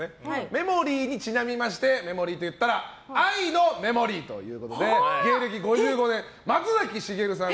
メモリーにちなみましてメモリーといったら「愛のメモリー」ということで芸歴５５年、松崎しげるさん